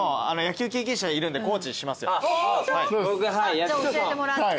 じゃあ教えてもらって。